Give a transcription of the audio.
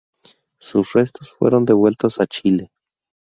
Sus restos fueron devueltos a Chile.